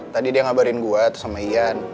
tadi dia ngabarin gue sama ian